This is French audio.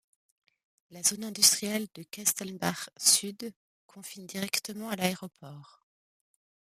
La zone industrielle de Kelsterbach-Sud confine directement à l'aéroport.